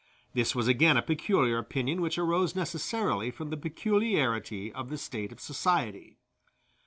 This was again a peculiar opinion which arose necessarily from the peculiarity of the state of society.